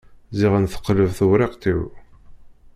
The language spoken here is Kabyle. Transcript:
Ziɣen teqleb tewriqt-iw.